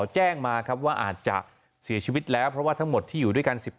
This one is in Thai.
แจ้งมาครับว่าอาจจะเสียชีวิตแล้วเพราะว่าทั้งหมดที่อยู่ด้วยกัน๑๙